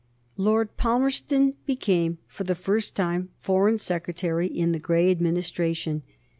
Lord Palmerston became for the first time Foreign Secretary in the Grey Administration.